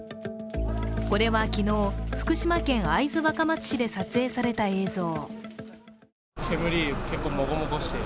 これは昨日、福島県会津若松市で撮影された映像。